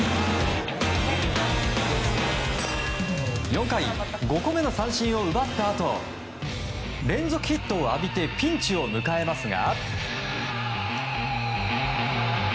４回、５個目の三振を奪ったあと連続ヒットを浴びてピンチを迎えますが。